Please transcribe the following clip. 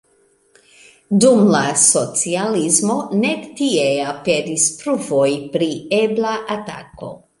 Dum la socialismo nek tie aperis pruvoj pri ebla atako.